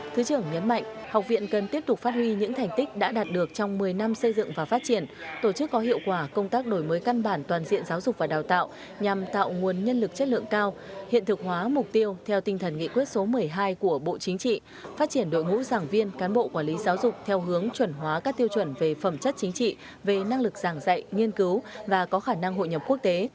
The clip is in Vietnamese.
thứ trưởng nhấn mạnh học viện cần tiếp tục phát huy những thành tích đã đạt được trong một mươi năm xây dựng và phát triển tổ chức có hiệu quả công tác đổi mới căn bản toàn diện giáo dục và đào tạo nhằm tạo nguồn nhân lực chất lượng cao hiện thực hóa mục tiêu theo tinh thần nghị quyết số một mươi hai của bộ chính trị phát triển đội ngũ giảng viên cán bộ quản lý giáo dục theo hướng chuẩn hóa các tiêu chuẩn về phẩm chất chính trị về năng lực giảng dạy nghiên cứu và có khả năng hội nhập quốc tế